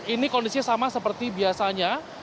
ini kondisinya sama seperti biasanya